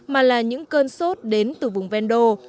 mà là những cơn sốt đến từ vùng vendô